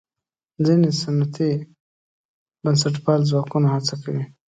ځینې سنتي بنسټپال ځواکونه هڅه کوي.